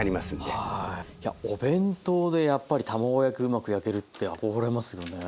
お弁当でやっぱり卵焼きうまく焼けるって憧れますよね。